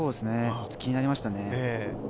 ちょっと気になりましたね。